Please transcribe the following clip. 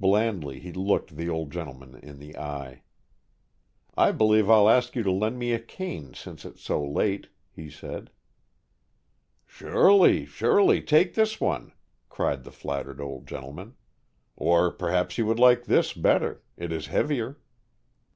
Blandly he looked the old gentleman in the eye. "I believe I'll ask you to lend me a cane, since it's so late," he said. "Surely, surely. Take this one," cried the flattered old gentleman. "Or perhaps you would like this better? It is heavier."